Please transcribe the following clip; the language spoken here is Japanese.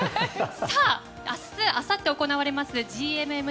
さあ、明日あさって行われます